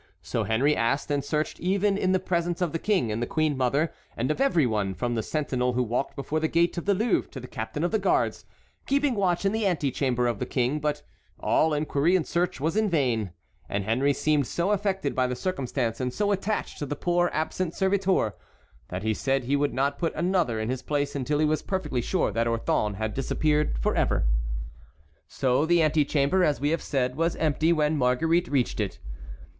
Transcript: So Henry asked and searched even in the presence of the King and the queen mother, and of every one, from the sentinel who walked before the gate of the Louvre to the captain of the guards, keeping watch in the antechamber of the King; but all inquiry and search was in vain, and Henry seemed so affected by the circumstance and so attached to the poor absent servitor that he said he would not put another in his place until he was perfectly sure that Orthon had disappeared forever. So the antechamber, as we have said, was empty when Marguerite reached it.